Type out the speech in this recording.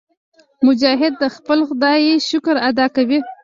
مجاهد د خپل خدای شکر ادا کوي.